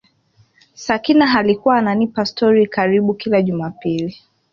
Sakina alikuwa ananipa stori karibu kila Jumapili